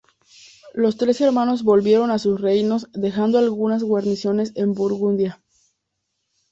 Los tres hermanos volvieron a sus reinos, dejando algunas guarniciones en Burgundia.